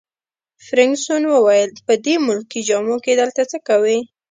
فرګوسن وویل: په دې ملکي جامو کي دلته څه کوي؟